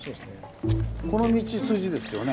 この道筋ですよね。